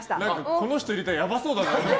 この人入れたらやばそうだな。